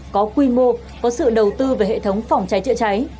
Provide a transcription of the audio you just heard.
có quy mô có sự đầu tư về hệ thống phòng cháy chữa cháy